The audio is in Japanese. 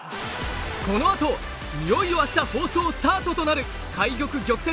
このあといよいよ明日放送スタートとなる「懐玉・玉折」